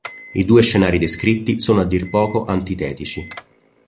I due scenari descritti sono a dir poco antitetici.